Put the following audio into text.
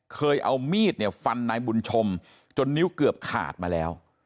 เคยเอามีดเนี่ยฟันนายบุญชมจนนิ้วเกือบขาดมาแล้ว